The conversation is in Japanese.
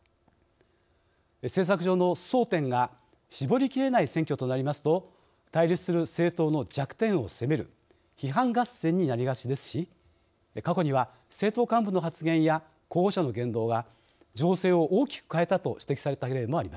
政策上の争点が絞りきれない選挙となりますと対立する政党の弱点を攻める批判合戦になりがちですし過去には政党幹部の発言や候補者の言動が情勢を大きく変えたと指摘された例もありました。